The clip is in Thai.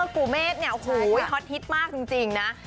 กูเมฆเนี่ยโอ้โหฮอตฮิตมากจริงนะ